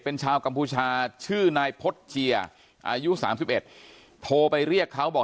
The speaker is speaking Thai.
เป็นชาวกัมพูชาชื่อนายพจน์เจียอายุ๓๑โทรไปเรียกเขาบอก